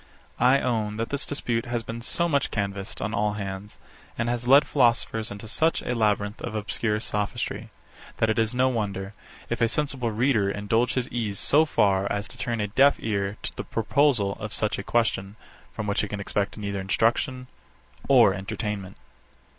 I own that this dispute has been so much canvassed on all hands, and has led philosophers into such a labyrinth of obscure sophistry, that it is no wonder, if a sensible reader indulge his ease so far as to turn a deaf ear to the proposal of such a question, from which he can expect neither instruction or entertainment.